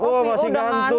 oh masih ngantuk